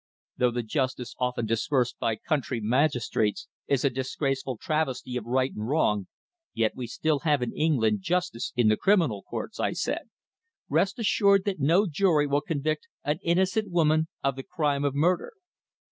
"Though the justice often dispensed by country magistrates is a disgraceful travesty of right and wrong, yet we still have in England justice in the criminal courts," I said. "Rest assured that no jury will convict an innocent woman of the crime of murder."